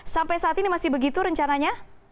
sampai saat ini masih begitu rencananya